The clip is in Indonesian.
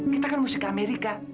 kita kan mesti ke amerika